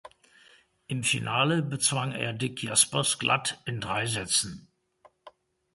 Im Finale bezwang er Dick Jaspers glatt in drei Sätzen.